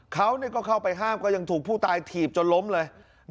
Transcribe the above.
เขาก็เข้าไปห้ามก็ยังถูกผู้ตายถีบจนล้มเลย